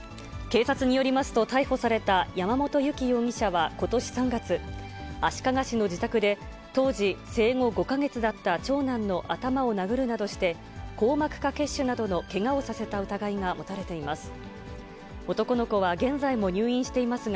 警察によりますと、逮捕された山本由貴容疑者は、ことし３月、足利市の自宅で、当時生後５か月だった長男の頭を殴るなどして、硬膜下血腫などのけがをさせた疑いが持たれています。